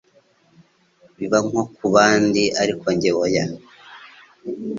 biba nko ku kubandi ariko njye hoya